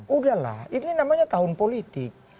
udahlah ini namanya tahun politik